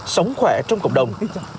sống khỏe trong cộng đồng